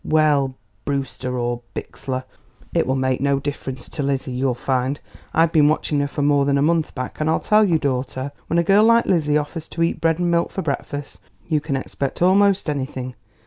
"Well, Brewster or Bixler; it will make no difference to Lizzie, you'll find. I've been watching her for more than a month back, and I'll tell you, daughter, when a girl like Lizzie offers to eat bread and milk for breakfast you can expect almost anything.